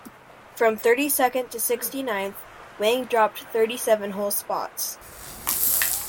From thirty-second to sixty-ninth, Wang dropped thirty-seven whole spots.